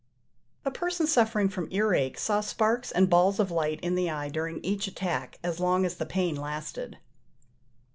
A person suffering from ear ache saw sparks and balls of light in the eye during each attack, as long as the pain lasted.